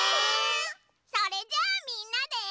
それじゃあみんなで。